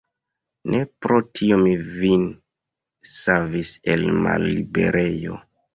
Ne pro tio mi vin savis el malliberejo.